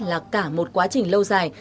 là cả một quá trình lâu dài